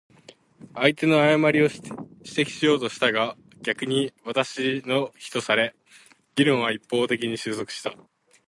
相手の誤りを指摘しようとしたが、逆に私の非とされ、議論は一方的に収束した。